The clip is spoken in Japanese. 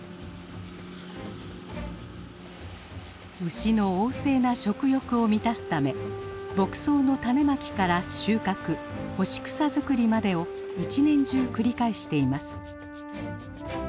牛の旺盛な食欲を満たすため牧草の種まきから収穫干し草作りまでを一年中繰り返しています。